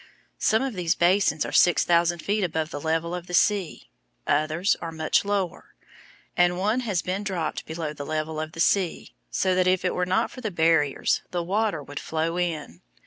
Some of these basins are six thousand feet above the level of the sea, others are much lower, and one has been dropped below the level of the sea, so that if it were not for barriers the water would flow in.